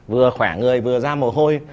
vừa khỏe người vừa ra mồ hôi